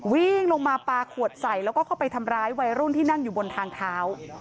วิ่งลงมาปลาขวดใส่แล้วก็เข้าไปทำร้ายวัยรุ่นที่นั่งอยู่บนทางเท้า